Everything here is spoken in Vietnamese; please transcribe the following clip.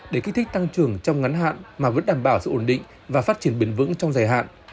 để kích thích tăng trưởng trong ngắn hạn mà vẫn đảm bảo sự ổn định và phát triển bền vững trong dài hạn